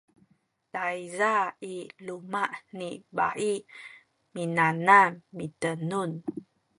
tayza i luma’ ni bai minanam mitenun